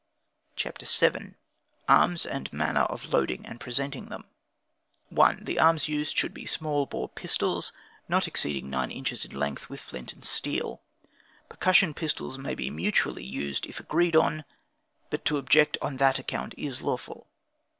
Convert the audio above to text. CHAPTER VII. Arms, and Manner of Loading and Presenting Them. 1. The arms used should be smooth bore pistols, not exceeding nine inches in length, with flint and steel. Percussion pistols may be mutually used if agreed on, but to object on that account is lawful.